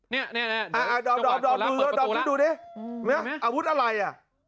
เนี่ยเดี๋ยวจังหวัดคนละเปิดประตูละดูดูดิอาวุธอะไรอ่ะ